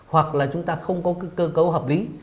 hoặc là chúng ta không có cơ cấu hợp lý